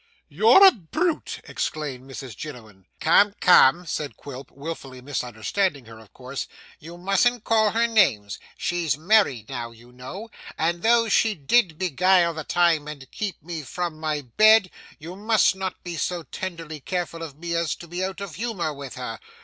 'You're a brute!' exclaimed Mrs Jiniwin. 'Come come,' said Quilp, wilfully misunderstanding her, of course, 'you mustn't call her names. She's married now, you know. And though she did beguile the time and keep me from my bed, you must not be so tenderly careful of me as to be out of humour with her.